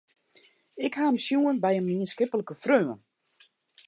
Ik ha him sjoen by in mienskiplike freon.